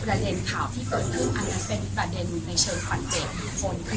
ประเด็นข่าวที่เปิดหนึ่งอันนั้นเป็นประเด็นในเชิงความเจ็บของบุคคล